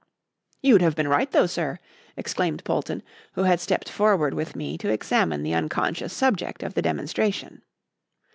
"You'd have been right though, sir!" exclaimed Polton, who had stepped forward with me to examine the unconscious subject of the demonstration.